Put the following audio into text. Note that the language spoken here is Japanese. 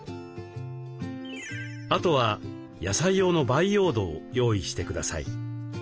あとは野菜用の培養土を用意してください。